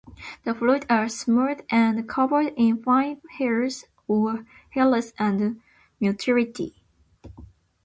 The fruit are smooth and covered in fine hairs or hairless at maturity.